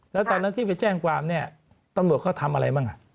แล้วตอนนั้นที่ไปแจ้งความเนี่ยตำรวจเขาทำอะไรบ้าง